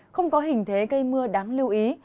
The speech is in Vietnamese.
không có hình thế cây mưa đáng lưu ý